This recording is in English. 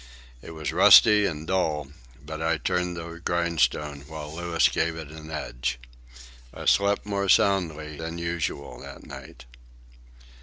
It was rusty and dull, but I turned the grindstone while Louis gave it an edge. I slept more soundly than usual that night.